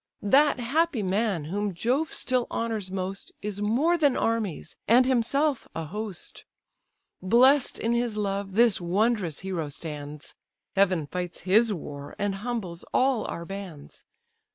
That happy man, whom Jove still honours most, Is more than armies, and himself a host. Bless'd in his love, this wondrous hero stands; Heaven fights his war, and humbles all our bands.